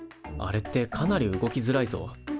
あれってかなり動きづらいぞ。